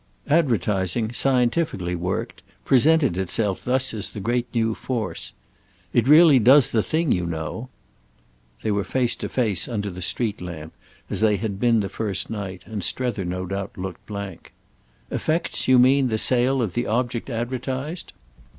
Advertising scientifically worked presented itself thus as the great new force. "It really does the thing, you know." They were face to face under the street lamp as they had been the first night, and Strether, no doubt, looked blank. "Affects, you mean, the sale of the object advertised?"